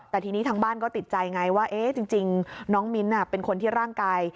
แต่ทีนี้ทางบ้านก็ติดใจไงว่าจริงน้องมิ้นเป็นคนที่ร่างกาย